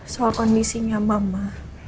soal kondisinya mama